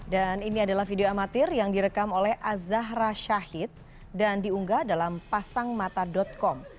dan ini adalah video amatir yang direkam oleh azahra syahid dan diunggah dalam pasangmata com